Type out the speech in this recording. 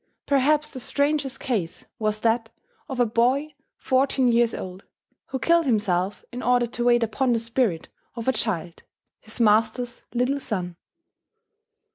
Perhaps the strangest case was that of a boy fourteen years old, who killed himself in order to wait upon the spirit of a child, his master's little son.